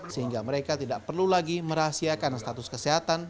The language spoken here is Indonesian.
sehingga mereka tidak perlu lagi merahasiakan status kesehatan